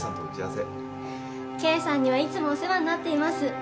圭さんにはいつもお世話になっています。